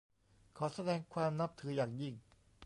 ขอแสดงความนับถืออย่างยิ่ง